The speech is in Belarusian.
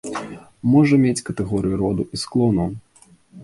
Можа мець катэгорыі роду і склону.